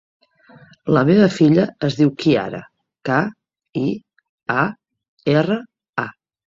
La meva filla es diu Kiara: ca, i, a, erra, a.